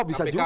oh bisa juga